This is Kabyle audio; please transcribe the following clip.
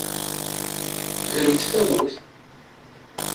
Gremt tamawt!